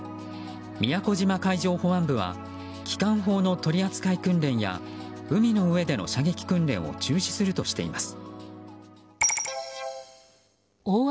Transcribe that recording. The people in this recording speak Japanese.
宮古島海上保安部は機関砲の取り扱い訓練や海の上での射撃訓練を中止するとしています。